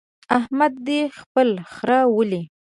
احمد دې خپل خره ولي.